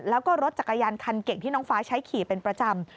แล้วก็รถจักรยานคันเก่งที่น้องฟ้าใช้ขี่เป็นประจำ